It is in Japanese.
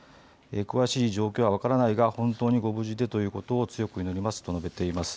詳しい状況は分からないが本当にご無事でということを強く祈りますと述べています。